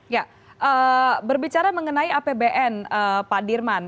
ya berbicara mengenai apbn pak dirman